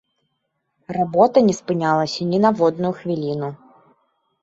Работа не спынялася ні на водную хвіліну.